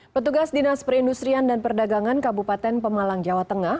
petugas dinas perindustrian dan perdagangan kabupaten pemalang jawa tengah